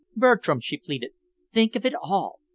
"Bertram," she pleaded, "think of it all.